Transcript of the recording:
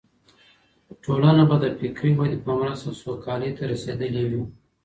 ټولنه به د فکري ودې په مرسته سوکالۍ ته رسېدلې وي.